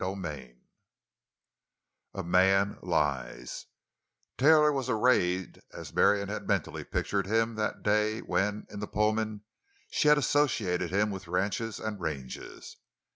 CHAPTER IX—A MAN LIES Taylor was arrayed as Marion had mentally pictured him that day when, in the Pullman, she had associated him with ranches and ranges.